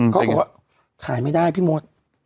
เขาบอกว่าขายไม่ได้พี่มด